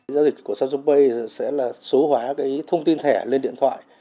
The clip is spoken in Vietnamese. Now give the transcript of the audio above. giao dịch của samsung pay sẽ là số hóa cái thông tin thẻ lên điện thoại